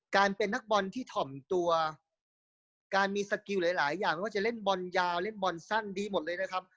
การเป็นนักบอลที่ถ่อมตัวการมีสกิลหลายหลายอย่างไม่ว่าจะเล่นบอลยาวเล่นบอลสั้นดีหมดเลยนะครับ